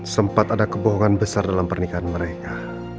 sempat ada kebohongan besar dalam pernikahan mereka